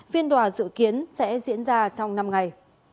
phiên tòa dự kiến sẽ diễn ra trong năm ngày